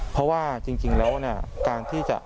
เพราะว่าจริงแล้วเนี่ย